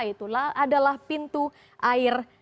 dan itu adalah pintu air pesanggerahan